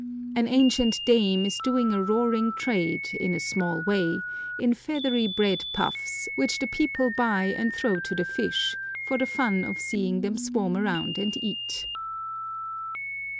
An ancient dame is doing a roaring trade, in a small way, in feathery bread puffs, which the people buy and throw to the fish, for the fun of seeing them swarm around and eat.